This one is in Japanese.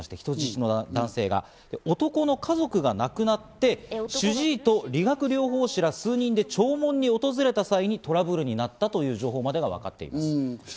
人質の男性が男の家族が亡くなって、主治医と理学療法士ら数人で弔問に訪れた際にトラブルになったという情報までわかっています。